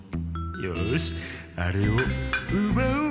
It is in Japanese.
よしあれをうばおう！